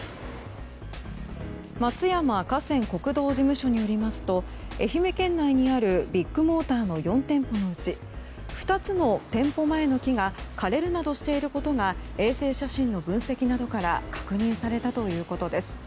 松山河川国道事務所によりますと愛媛県内にあるビッグモーターの４店舗のうち２つの店舗前の木が枯れるなどしていることが衛星写真の分析などから確認されたということです。